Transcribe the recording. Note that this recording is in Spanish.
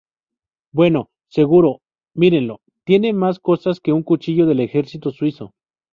Bueno, seguro, mírenlo. Tiene más cosas que un cuchillo del ejército suizo.